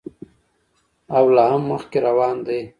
او لا هم مخکې روان دی.